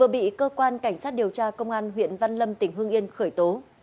vừa bị cơ quan cảnh sát điều tra công an huyện văn lâm tỉnh hương yên khởi tố